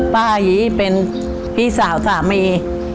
ป้ายีเป็นพี่สาวสามี